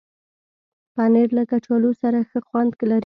پنېر له کچالو سره ښه خوند لري.